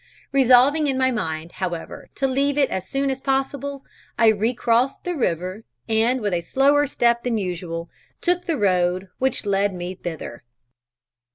Resolving in my mind, however, to leave it as soon as possible, I re crossed the river, and, with a slower step than usual, took the road which led thither.